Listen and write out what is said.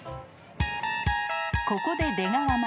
［ここで出川ママ］